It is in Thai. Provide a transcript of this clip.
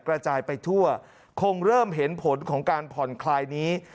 กระจายไปทั่วคงเริ่มเห็นผลของการผ่อนคลายนี้